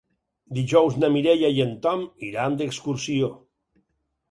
Dijous na Mireia i en Tom iran d'excursió.